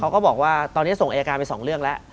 ก็บอกว่าตอนนี้ส่งอายการไปสองเรื่องแล้ว